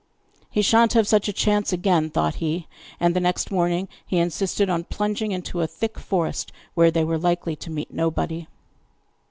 'He shan't have such a chance again,' thought he; and the next morning he insisted on plunging into a thick forest where they were likely to meet nobody.